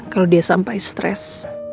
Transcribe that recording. kalau dia sampai stres